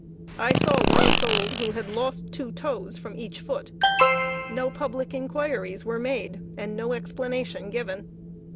I saw one sold who had lost two toes from each foot. No public inquiries were made, and no explanation given.